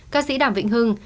các sĩ đảm vĩnh hưng